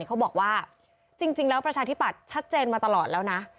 เขาบอกว่าจริงแล้วประชาธิบัติชัดเจนมาตลอดแล้วนะ